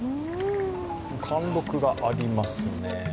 貫禄がありますね。